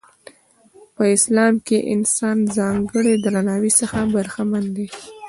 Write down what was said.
په اسلام کې انسان ځانګړي درناوي څخه برخمن دی.